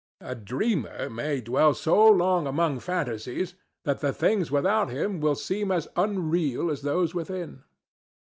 A dreamer may dwell so long among fantasies that the things without him will seem as unreal as those within.